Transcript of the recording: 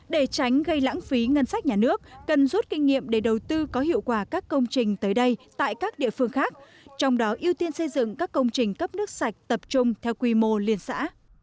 để tránh gây lãng phí ngân sách nhà nước cần rút kinh nghiệm để đầu tư có hiệu quả các công trình tới đây tại các địa phương khác trong đó ưu tiên xây dựng các công trình cấp nước sạch tập trung theo quy mô liên xã